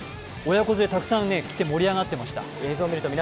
親子連れ、たくさん来て盛り上がっていました。